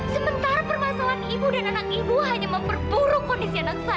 sementara permasalahan ibu dan anak ibu hanya memperburuk kondisi anak saya